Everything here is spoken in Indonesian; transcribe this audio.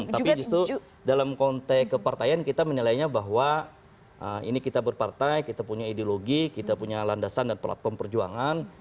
tapi justru dalam konteks kepartaian kita menilainya bahwa ini kita berpartai kita punya ideologi kita punya landasan dan platform perjuangan